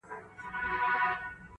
مه مو شمېره پیره په نوبت کي د رندانو!.